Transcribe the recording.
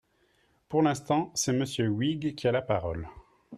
Pour l’instant, c’est Monsieur Huyghe qui a la parole.